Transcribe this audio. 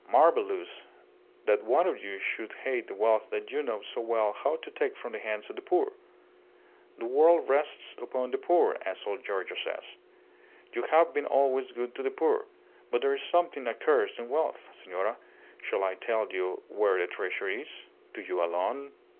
"Marvellous! that one of you should hate the wealth that you know so well how to take from the hands of the poor. The world rests upon the poor, as old Giorgio says. You have been always good to the poor. But there is something accursed in wealth. Senora, shall I tell you where the treasure is? To you alone.